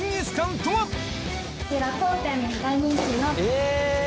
え！